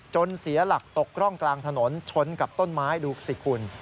เสียหลักตกร่องกลางถนนชนกับต้นไม้ดูสิคุณ